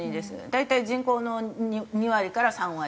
大体人口の２割から３割。